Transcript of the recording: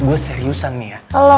gue seriusan nih ya